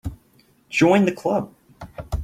Join the Club.